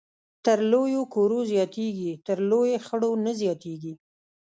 تر لويو کورو زياتېږي ، تر لويو خړو نه زياتېږي